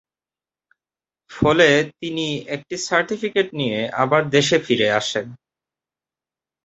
ফলে তিনি একটি সার্টিফিকেট নিয়ে আবার দেশে ফিরে আসেন।